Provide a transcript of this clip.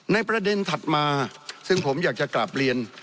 ในประเด็นถัดมาซึ่งผมอยากจะกลับเรียน